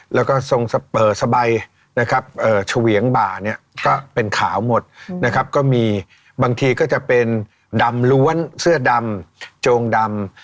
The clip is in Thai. แล้วก็ทรงสบายนะครับเฉวียงบ่าเนี่ยก็เป็นขาวหมดนะครับก็มีบางทีก็จะเป็นดำล้วนเสื้อดำโจงดำ